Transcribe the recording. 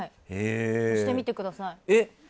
押してみてください。